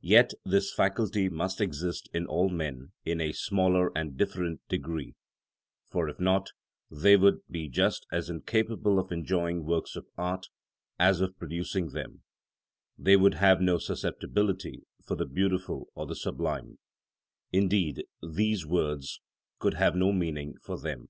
Yet this faculty must exist in all men in a smaller and different degree; for if not, they would be just as incapable of enjoying works of art as of producing them; they would have no susceptibility for the beautiful or the sublime; indeed, these words could have no meaning for them.